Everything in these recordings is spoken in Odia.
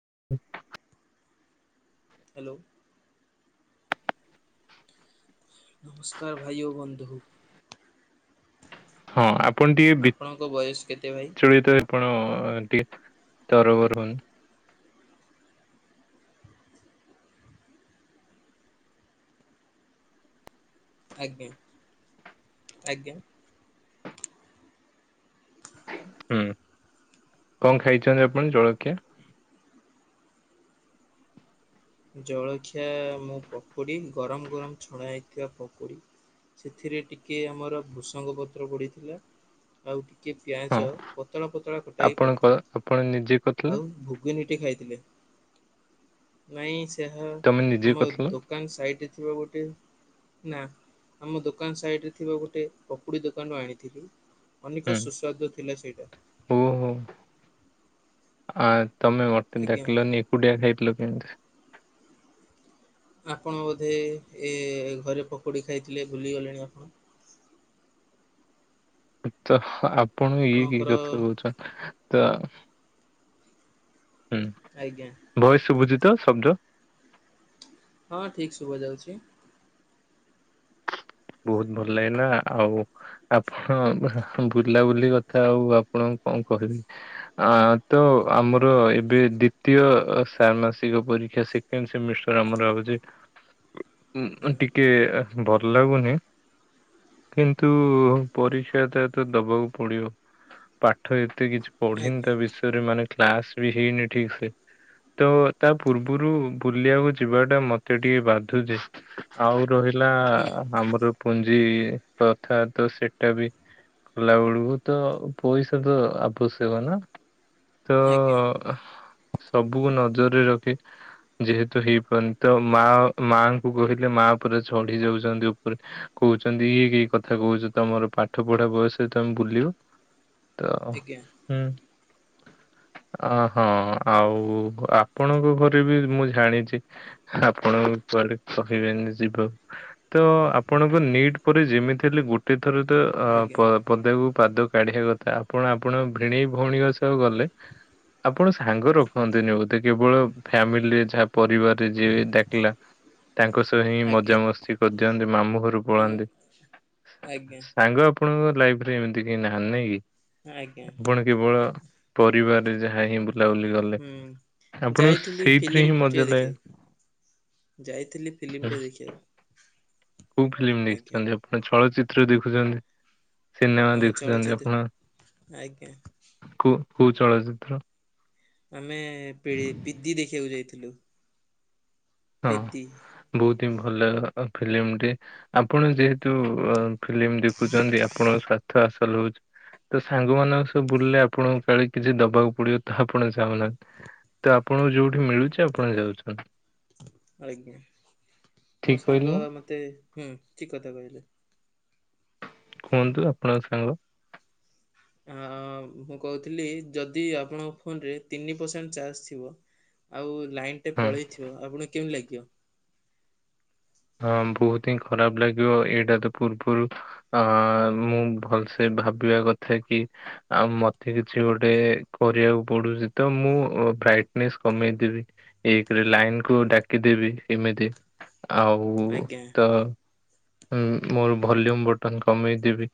[inaudible] ହାଲୋ। ନମସ୍କାର୍ ଭାଇ ଓ ବନ୍ଧୁ। ହଁ ଆପଣ ଟିକେ ବି- ଆପଣଙ୍କ ବୟସ କେତେ ଭାଇ? ଚଳିତ ଆପଣ ଟିକେ ତରବର ହୁଅ ଆଜ୍ଞା-ଆଜ୍ଞା। ହୁଁ। କଣ ଖାଇଛନ୍ତି ଆପଣ ଜଳଖିଆ? ଜଳଖିଆ, ମୁଁ ପକୁଡି ଗରମ୍-ଗରମ୍ ଛଣା ହୋଇଥିବା ପକୁଡ଼ି। ସେଥିରେ ଟିକେ ଆମର ଭୃସଙ୍ଗ ପତ୍ର ପଡ଼ିଥିଲା। ଆଉ ଟିକେ ହଁ ପିଆଜ, ପତଳା ପତଳା କଟା ହେଇକି ଆପଣଙ୍କ ପଡିଥିଲା। ଆପଣ ନିଜେ କରିଥିଲେ ଆଉ ଭୁଗିନୀଟି ଖାଇଥିଲେ? ନାଇଁ ସେ ହ, ତମେ ନିଜେ ଆମ କରିଥିଲ ଦୋକାନ୍ ସାଇଟ୍ ରେ ଥିବା ଗୋଟେ, ନା ଆମ ଦୋକାନ ସାଇଡ ରେ ଥିବା ଗୋଟେ ପକୁଡ଼ି ଦୋକାନରୁ ଆଣିଥିଲି। ଅନେକ ହୁଁ। ସୁସ୍ୱାଦୁ ଥିଲା ସେଇଟା। ଆଁ ତମେ ମୋଟେ ଆଜ୍ଞା ଡାକଲନି, ଏକୁଟିଆ ଖାଇ ଦେଲ କେମତି? ଆପଣ ବୋଧେ ଏ ଘରେ ପକୁଡି ଖାଇଥିଲେ ଭୁଲିଗଲେଣି ଆପଣ? ତ ଆପଣ ଇଏ କି ଆପଣଙ୍କର କଥା କହୁଛ, ତ ହୁଁ। ଆଜ୍ଞା ଭଏସ ସୁଭୁଛିତ ଶବ୍ଦ? ହଁ ଠିକ୍ ଶୁଭା ଯାଉଛି। ବହୁତ୍ ଭଲ ଲାଗିଲା। ଆଉ ଆପଣ ବୁଲାବୁଲି କଥା, ଆଉ ଆପଣ କଣ କହିବି? ଆ ତ ଆମର ଆଜ୍ଞା। ଏବେ ଦି ଦୀୟ ସାରମାସିକ ପରୀକ୍ଷା ସେକେଣ୍ଡ୍ ସେମିଷ୍ଟର ଆମର ହୋଉଛି। ଉଁ-ଉଁ ହୁଁ ଟିକେ ଭଲ୍ ଲାଗୁନି। କିନ୍ତୁ ପରୀକ୍ଷାଟା ତ ଦବାକୁ ପଡିବ। ପାଠ ଏ ଏତେ କିଛି ପଢିନି ଆଜ୍ଞା ତା ବିଷୟରେ, ମାନେ କ୍ଲାସ ବି ହେଇନି ଠିକ ସେ। ତ, ତା ପୂର୍ବୁରୁ ବୁଲିଆକୁ ଯିବା ଟା ମତେ ଟିକେ ବାଧୁଛି। ଆଉ ରହିଲା ହୁଁ ଆମ ଜି କଥା ତ ସେଟା ବି ହେଲା ବେଳକୁ ତ ପଇସା ତ ଆବଶ୍ୟକ ନା? ତ ଆଜ୍ଞା ସବୁକୁ ନଜରରେ ରଖି ଯେହେତୁ ହେଇପାରୁନି, ତ ମା-ମାଙ୍କୁ କହିଲେ ମା ତା ପରେ ଝଢି ଯାଉଛନ୍ତି। ପରେ କହୁଛନ୍ତି ଇଏ କେହି କଥା କହୁଛ, ତମର ପାଠ ପଢା ବୟସ ତମେ ବୁଲିବ। ତ ଆଜ୍ଞା ହୁଁ। ଅ ହଁ ଆଉ ଆପଣଙ୍କ ଘରେ ବି ମୁଁ ଜାଣିଛି। ଆପଣ କୁଆଡେ କହିବେନି ଯିବାକୁ। ତ ଆ ଆପଣଙ୍କୁ ନିଟ୍ ପରେ ଯିମିତି ହେଲେ ଗୋଟେ ଥର ତ ଅ ଆଜ୍ଞା ପ-ପଦାକୁ। ପାଦ କାଢିଆ କଥା ଆପଣ ଆପଣଙ୍କ ଭିଣେଇ ଭଉଣୀଙ୍କ ସହ ଗଲେ। ଆପଣ ସାଙ୍ଗ ରଖନ୍ତିନି ବୋଧେ କେବଳ ଫ୍ୟାମିଲିରେ ଯାହା ପରିବାରରେ ଯିଏ ବି ଡାକିଲା। ତାଙ୍କ ସହ ହିଁ ଆଜ୍ଞା ମଜାମସ୍ତି କରିଦିଅନ୍ତି ମାମୁଁ। ଘରୁକୁ ମୁଁ ପଳାନ୍ତି ଆଜ୍ଞା ସାଙ୍ଗ ଆପଣଙ୍କ ଲାଇଫ ରେ ଏମିତି କେହି ନାହାନ୍ତି ନାଇଁ କି? ଆଜ୍ଞା ଆପଣ କେବଳ ପରିବାରରେ ଯାହା ହିଁ। ବୁଲା ବୁଲି ଗଲେ ହୁଁ। ଆପଣଙ୍କୁ ଯାଇଥିଲି ସେଇଥିରେ ହିଁ ଫିଲ୍ମଟେ ମଜା ଲାଗେ। ଦେଖିବାକୁ ଯାଇଥିଲି ଫିଲ୍ମ ଟେ ଦେଖିବାକୁ। କୋଉ ଫିଲ୍ମ ଆଜ୍ଞା। ଦେଖିଛନ୍ତି ଆପଣ ଚଳଚିତ୍ର ଦେଖୁଛନ୍ତି। ସିନେମା ହଁ ଦେଖୁଛନ୍ତି ଚଳଚ୍ଚିତ୍ର ଆପଣ ଆଜ୍ଞା କଉ କୋଉ ଚଳଚିତ୍ର। ଆମେ ପିଡି ପି ଦି ଦେଖିବାକୁ ଯାଇଥିଲୁ। ହଁ ପେଦି ବହୁତ ହିଁ ଭଲ ଫିଲ୍ମଟେ ଆପଣ ଯେହେତୁ। ଫିଲ୍ମ ଦେଖୁଛନ୍ତି ଆପଣଙ୍କ ସ୍ଵାର୍ଥ ଆସଲ ହଉଛି। ତ ସାଙ୍ଗ ମାନଙ୍କ ସବୁ ବୁଲିଲେ ଆପଣଙ୍କୁ କାଳେ କିଛି ଦବାକୁ ପଡିବ ତ ଆପଣ ଚାହୁଁନାହାନ୍ତି। ତ ଆପଣଙ୍କୁ ଯୋଉଠି ମିଳୁଛି ଆପଣ ଯାଉଛନ୍ତି। ଆଜ୍ଞା ମୋ ଠିକ କହିଲୁ ସାଙ୍ଗ ମତେ ହୁଁ ଠିକ କଥା କହିଲେ। କୁହନ୍ତୁ ଆପଣଙ୍କ ସାଙ୍ଗ। ଆଁ ମୁଁ କହୁଥିଲି ଯଦି ଆପଣଙ୍କ ଫୋନରେ ତିନି ପରସେଣ୍ଟ ଚାର୍ଜ ଥିବ। ଆଉ ଲାଇନ ଟେ ହଁ ପଳେଇଥିବ ଆପଣଙ୍କୁ କେମିତି ଲାଗିବ? ହଁ ବହୁତ ହିଁ ଖରାପ ଲାଗିବ ଏଇଟା ତ ପୂର୍ବରୁ ଆଁ ମୁଁ ଭଲସେ। ଭାବିବା କଥା କି ଆଉ ମତେ କିଛି ଗୋଟେ କରିବାକୁ ପଡୁଛି ତ ମୁଁ। ବ୍ରାଇଟନେସ୍ କମେଇଦେବି ଏକରେ ଲାଇନ କୁ ଡାକିଦେବି ଏମିତି। ଆଉ ଆଜ୍ଞା ତ। ମୋର ଭଲ୍ୟୁମ ବଟନ କମେଇଦେବି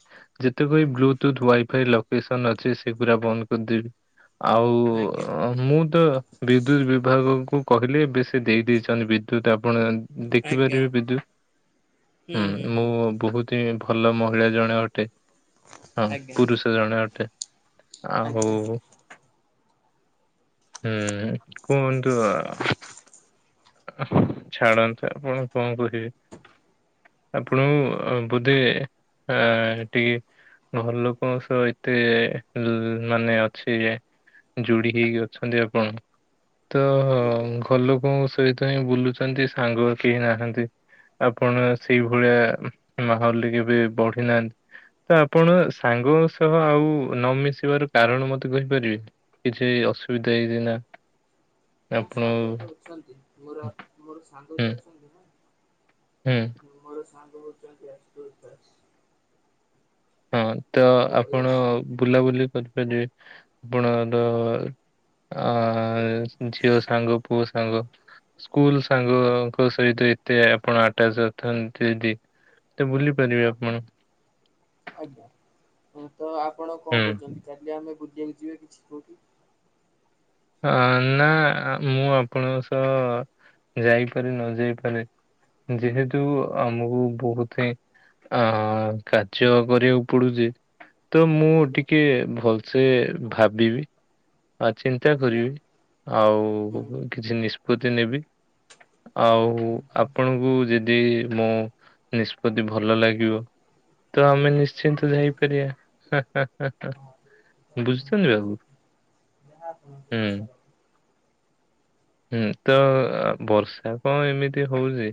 ଯେତେକ ବି ବ୍ଲୁଟୁଥ ୱାଇଫାଇ ଲୋକେସନ ଅଛି। ସେ ସେଗୁରା ବନ୍ଦ କରିଦେବି ଆଉ ଆଜ୍ଞା ମୁଁ ତ ବିଦ୍ୟୁତ ବିଭାଗକୁ। କୁ କହିଲି ବି ସେ ଦେଇେ ଦେଇଛନ୍ତି ବିଦ୍ୟୁତ ଆପଣ। ଆଜ୍ଞା ଦେଖିପାରିବେ ବିଦୁତ୍ ହୁଁ ମୁଁ ବହୁତ ହିଁ ଭଲ ମହିଳା ଜଣେ ଅଟେ। ହଁ ଆଜ୍ଞା ପୁରୁଷ ଜଣେ ଅଟେ ଆଉ। ଆଜ୍ଞା ହୁଁ କୁହନ୍ତୁ ଆଉ। ଛାଡ଼ନ୍ତୁ ଆପଣ କଣ କହିବେ ଆପଣଙ୍କୁ। ବୋଧେ ଆ ଟିକେ। ଘର ଲୋକ ଙ୍କ ସହ ଏତେ ଲ ମାନେ ଅଛି। ଯୋଡି ହେଇକି ଅଛନ୍ତି ଆପଣ ତ ଆଜ୍ଞା ଘର ଲୋକଙ୍କ ସ ହିତ ହିଁ ବୁଲୁଛନ୍ତି ସାଙ୍ଗ କେହି ନାହାନ୍ତି। ଆପଣ ସେଇ ଭଳିଆ ମାହଲରେ କେବେ ବଢି ନାହାନ୍ତି। ତ ଆପଣ ସାଙ୍ଗ ଙ୍କ ସହ ଆଉ ନ ମିିଶିବାର କାରଣ ମତେ କହିପାରିବେ କିଛି। ଅସୁବିଧା ହେଇଛି ନା। ମୋ ଆପଣ ସାଙ୍ଗ ତ ଅଛନ୍ତି ମୋର ମୋର ସାଙ୍ଗ ହୁଁ ତ ଅଛନ୍ତି। ହୁଁ ମୁ ମୋର ସାଙ୍ଗ ହଉଛନ୍ତି ଆସୁତୋସ ଦାସ। ହଁ ତ ଆପଣ ବୟାଶୀ ବୁଲାବୁଲି କରିପାରିବେ ଆପଣର। ଆ ଝିଅ ସାଙ୍ଗ ପୁଅ ସାଙ୍ଗ। ସ୍କୁଲ ସାଙ୍ଗଙ୍କ ସହିତ ଏତେ ଆପଣ ଆଟାଚ ଅଛନ୍ତି ଯଦି। ତ ବୁଲି ପାରିବେ ଆପଣ। ଆଜ୍ଞା ତ ଆପଣ କଣ ହୁଁ। କହୁଛନ୍ତି କାଲି ଆମେ ବୁ ଜେନ୍ ଯିବା କିଛି କୋଉଠି। ହଁ ନା ମୁଁ ଆପଣଙ୍କ ସହ। ଯାଇପାରେ ନ ଯାଇପାରେ ଯେହେତୁ ଆମକୁ ବହୁତ ହିଁ। ଅ କାର୍ଯ୍ୟ କରିବାକୁ ପଡୁଛି। ତ ମୁଁ ଆଜ୍ଞା ଟିକେ ଭଲସେ ଭାବିବି ଆ ଚୀନ୍ ନ୍ତା ଆଜ୍ଞା କରିବି ହୁଁ ଆଉ କିଛି ନିଷ୍ପତ୍ତି ନେବି। ଆଉ ଆଜ୍ଞା ଆପଣଙ୍କୁ ଯେଦି ମୁଁ ନିଷ୍ପତ୍ତି ଭଲ ଲାଗିବ ତ ଆମେ ହୁଁ, ନିଶ୍ଚିନ୍ତ ହଁ ଯାଇପାରିବା। ବୁଝୁଛନ୍ତି ବାବୁ? [unintelligible] ଇଚ୍ଛା ରହିବ ହୁଁ। ହୁଁ ତ ବର୍ଷା କଣ ଏମିତି ହଉଛି?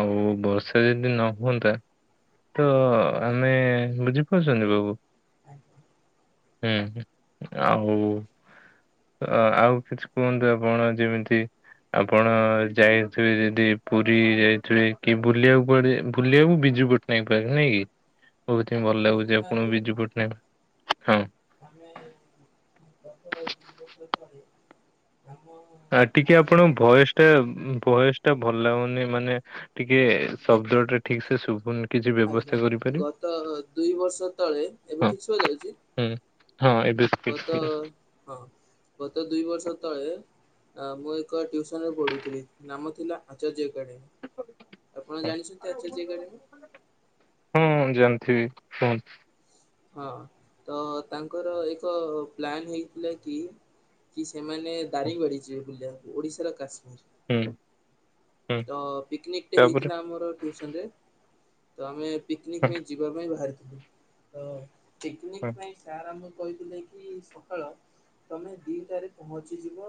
ଆଉ ବର୍ଷା ଯଦି ନହୁଅନ୍ତା ତ ଆମେ ବୁଝିପାରୁଛନ୍ତି ବାବୁ। ଆଜ୍ଞା ଊଁ ହୁଁ ଆଉ ଆଉ କିଛି କୁହନ୍ତୁ ଆପଣେ ଯେମିତି ଆପଣ ଯାଇଥିବେ ଯଦି ପୁରୀ ଯାଇଥିବେ କି ବୁଲିବାକୁ କୁଆଡେ ବୁଲିବାକୁବି। ଆପଣ ଶୁଣୁନାହାନ୍ତି [unintelligible] [unintelligible] ଆ ଟିକେ ଆଚାର୍ଯ୍ୟ ଆପଣଙ୍କ ଏକାଡେମୀ, ଭୟସ ଟା, ଭୟସ ଟା ଭଲ ଲାଗୁନି ମାନେ ଟିକେ ଶବ୍ଦ ଟା ଠିକ ସେ ଶୁଭୁନି। କିଛି ବ୍ୟବସ୍ଥା ଆଜ୍ଞା କରିପାରିବେ? ଗତ ଦୁଇ ବର୍ଷ ତଳେ, ଏବେ ହଁ ଠିକ ଶୁଭାଯାଉଛି। ହୁଁ ହଁ ଏବେ ଗତ ହଁ। ହଁ ଗତ ଦୁଇ ବର୍ଷ ତଳେ ମୁଁ ଏକ ଟିୟୁସନ୍ ରେ ପଢୁଥିଲି, ନାମ ଥିଲା ଆଚାର୍ଯ୍ୟ ଆପଣ ଜାଣିଛନ୍ତି ଆଚର୍ଯ୍ୟା ଏକାଡମୀ। ହଁ [unintelligible] ହଁ ତ ତାଙ୍କର ଏକ ପ୍ଲାନ ହେଇଥିଲା କି ସେମାନେ ଦାରିଂବାଡ଼ି ଯିବେ ବୁଲିବାକୁ ଓଡ଼ିଶାର କାଶ୍ମୀର। ହୁଁ। ହୁଁ ତ ପିକନିକଟେ ତାପରେ ହେଇଥିଲା ଆମର ଟିୟୁସନ ରେ ତ ଆମେ ପିକନିକ୍ ପାଇଁ ଯିବା ପାଇଁ ବାହାରିଥିଲୁ, ତ ପିକନିକ୍ ହୁଁ ପାଇଁ ସାର୍ ଆମ କହିଥିଲେ କି ସକାଳ, ତମେ ଦିଟାରେ ପହଞ୍ଚିଯିବ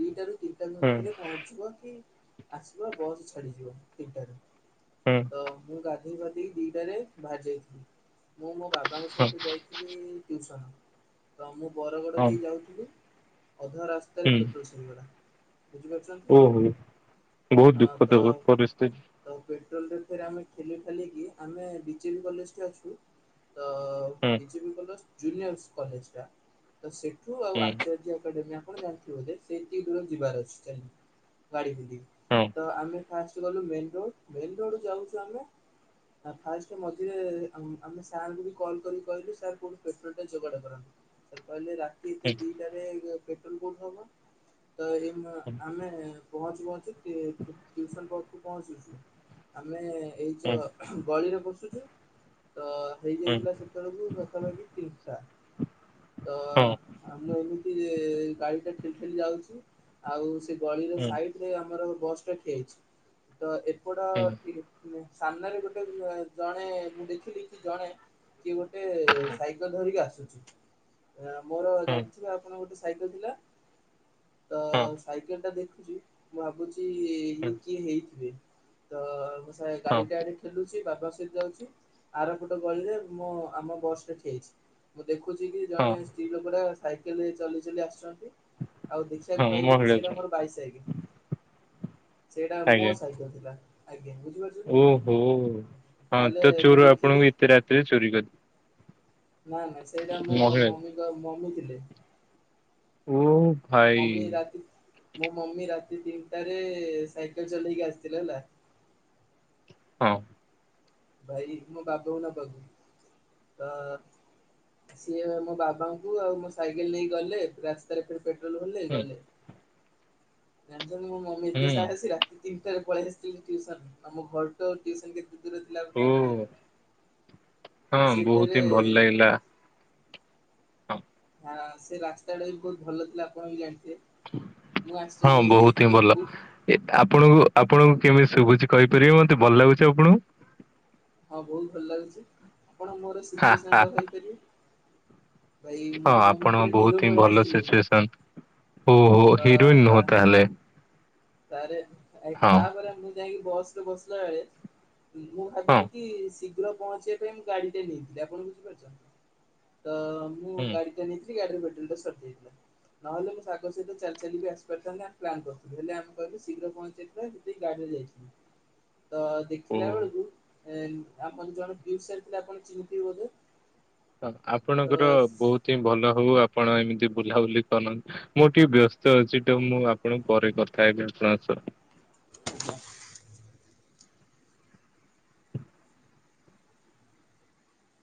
ଦିଟାରୁ ତିନିଟା ହୁଁ ମଧ୍ୟରେ ପହଞ୍ଚିବ କି ଆସିବ ବସ୍ ଛାଡିଯିବ ତିନିଟା ରେ। ହୁଁ ତ ମୁଁ ଗାଧୋଇ ପାଧେଇ ଦିଟାରେ ବାହାରିଯାଇଥିଲି। ମୁଁ ମୋ ମୋ ବାବାଙ୍କ ହୁଁ ହଁ ସହିତ ଯାଇଥିଲି ଟିୟୁସନ ତ ମୁଁ ବରଗଡ଼ ହଁ ଦେଇ ଯାଉଥିଲି ଅଧା ରାସ୍ତାରେ ହୁଁ ପେଟ୍ରୋଲ ସରିଗଲା, ବୁଝିପାରୁଛନ୍ତି। ଓହୋ ବହୁତ ଅ ଦୁଃଖ ତ ଘଟ୍ ପରିସ୍ଥିତ। ସିଥେରେ ଆମେ ଖେଲିଖାଲି କି ଆମେ ବିଜେପି କଲେଜ ରେ ଅଛୁ। ତ ହୁଁ ବିଜେପ କଲେଜ ଜୁନିୟସ କଲେଜ ଟା। ତ ସେଠୁ ଆଉ ହୁଁ ଆଚାର୍ଯ୍ୟ ଏକାଡେମୀ ଆପଣ ଜାଣିଥିବେ ବୋଧେ ସେତିକି ଦୂର ଯିବାର ଅଛି ଚା ଗାଡି ଫିଡି ହଁ ତ ଆମେ ଫାଷ୍ଟ ଗଲୁ ମେନ ରୋଡ ମେନ ରୋଡ ଯାଉଛୁ ଆମେ ଆ ଫାଷ୍ଟ ମଝିରେ ଆମେ ଆମେ ସାର ଙ୍କୁ କଲ୍ କରି କହିଲୁ ସାର୍ କୋଉଠୁ ପେଟ୍ରୋଲ ଟାଏ ଯୋଗାଡ କର। ହୁଁ [unintelligible] [unintelligible] [unintelligible] ଏଇ ହୁଁ ଯୋଉ ଗଳିରେ ପସୁଛୁ। ତ ହୁଁ ହୁଁ ହେଇଯାଇଥିଲା ସେତେବେଳ କୁ ପାଖାପାଖି ତିନିଟା। ତ ହଁ ଆମ ଏମିତି ସେ ଗାଡିଟା ଠେଲିଠେଲି ଯାଉଛୁ, ଆଉ ସେ ଗଳିର ହୁଁ ସାଇଡ ରେ ଆମର ବସଟା ଠିଆହେଇଛି ତ ଏପଟ ହୁଁ ହୁଁ ସାମ୍ନାରେ ଗୋଟେ ଜଣେ ମୁଁ ଦେଖିଲି କି ଜଣେ କିଏ ଗୋଟେ ସେ ସାଇକଲ ଧରିକି ଆସୁଛିୁ ମୋର ହଁ ଜାଣିିଥିବେ ଆପଣ ଗୋଟେ ସାଇକେଲ ଥିଲା, ତ ସାଇକେଲ ଟା ଦେଖୁଛି ମୁଁ ଭାବୁଛି [unintelligible] ବାପା ହୁଁ ସହଯାଉଛି, ହଁ ଆର ପଟ ଗଳିରେ ମୁଁ ଆମ ବସଟା ଠିଆ ହେ। ଦେଖୁଛି କି! ହଁ ଜଣେ ସ୍ତ୍ରୀ ଲୋକ ଟା ସାଇକେଲ ଚଲେଇ ଚଲେଇ ଆସୁଛନ୍। ଆଉ, ହଁ ଦେଖିବାକୁ ପାଇଲି କି ମହିଳା ସେଇଟା ଜଣେ ମୋର ବାଇସାଇକେଲ୍। ସେଇଟା, ମୋ ଆଜ୍ଞା ସାଇକଲ୍ ଥିଲା। ଆଜ୍ଞା ବୁଝିପାରୁଛନ୍ତି? ଓହୋ! ହଁ ତାହେଲେ ତ ମୁଁ ଚୋର ଦେଖିଲି ଆପଣଙ୍କ, ଏତେ ରାତିରେ ଚୋରି କର୍ ନା, ନା, ସେଇଟା ମୋ ମମିଙ୍କ ମମି ଥିଲେ। ଓ। ଭାଇ ମମି ରାତି ମୋ ମମି ରାତି ତିନଟାରେ-ଏ, ସାଇକେଲ ଚଲେଇକି ଆସିଥିଲେ ହେଲା। ହଁ। ଭାଇ, ମୋ ବାବା କୁ ନବାକୁ। ଅଁ ସିଏ ମୋ ବାବାଙ୍କୁ ଆଉ, ମୋ ସାଇକେଲ ନେଇକି ଗଲେ ରାସ୍ତାରେ ଫେର୍ ପେଟ୍ରୋଲ ଭଲେ, ହୁଁ ଗଲେ। ଜାଣିଛନ୍ତି! ମୋ ମମି ଏତେ ହୁଁ ସାହାସିଆ। ତିନଟାରେ ପଳେଇ ଆସଥିଲି ଟ୍ୟୁସନ୍। ଆମ ଘରଟୁ ଟ୍ୟୁସନ କେତେ ଦୂର ଥିଲା ଆପଣ ଜାଣିଥିବେ ତ ହୁଁ, ସେ ବହୁତ ଫେରେ ହିଁ ଭଲ ଲାଗିଲା। ହଁ। ହଁ, ସେ ରାସ୍ତାଟା ବି ବହୁତ ଭଲ ଥିଲା। ଆପଣ ବି ଜାଣ ହଁ, ବହୁତ ହିଁ ଭଲ। ବହୁତ ଏତ୍ ଆପ୍ ପଣଙ୍କୁ ଆପଣଙ୍କୁ କେମିତି ଶୁଭୁଛି! କହିପାରିବେ ମତେ, ଭଲ ଲାଗୁଛି ଆପଣଙ୍କୁ? ହଁ, ବହୁତ ଭଲ ଲାଗୁଛି। ଆପଣ ମୋର ହା ସିଚୁଏସନ୍ ହା ଟା [unintelligible] ହା। ପାରିବେ। ହଁ, ଆପଣ ହିରୋ ବହୁତ ହିଁ ଭଳିଆ ଭଲ ଆସିଥିଲେ। ସିଚୁଏସନ୍ ଓହୋ! ହିରୋଇନ୍ ନୁହଁ ତା ହେଲେ? ତାରେ ତା'ପରେ ମୁଁ ଯାଇକି ବସ୍ ରେ ବସିଲା ବଳେ ମୁଁ ହଁ ଭାବିଲି କି ଶୀଘ୍ର ପହଞ୍ଚିଆ ପାଇଁ ମୁଁ ଗାଡି ଟେ ନେଇଥିଲି। ଆପଣ ବୁଝିପାରୁଛନ୍ତି? ତ ମୁଁ ହୁଁ ଗାଡି ଟା ନେଇ ଆଜି ଗାଡ଼ିରେ ପେଟ୍ରୋଲ ଟା ସରିଯାଇଥିଲା। ନହେଲେ ମୁଁ ସାଙ୍ଗ ସହିତ ଚାଲି ଚାଲି କି ଆସି ପାରଥାନ୍ତି। ଆମେ ପ୍ଲାନ୍ କରଥିଲୁ ହେଲେ ଆମେ କାଲି ଶୀଘ୍ର ପହଞ୍ଚିଥିଲେ, ସେଠି ଗାଡିରେ ଯାଇଥିଲି। ତ ଦେଖିଲା ଓହୋ। ବେଳକୁ ଏନ୍, ଆପଣ ଜଣେ ପିଉଷ୍ ସାର୍ ଥିଲେ, ଆପଣ ଚିନ୍ ଥିବେ ବୋଧେ? ହ, ଆପଣଙ୍କର ତ ବହୁତ ହିଁ ଭଲ ହଉ ଆ ଆପଣ ଏମିତି ବୁଲାବୁଲି କରନ୍। ମୁଁ ଟିଏ ବ୍ୟସ୍ତ ଅଛି ଟୋ ମୁଁ ଆପଣଙ୍କୁ ପରେ କଥା ହେବି। ଆପଣଙ୍କ ଆସ [inaudible]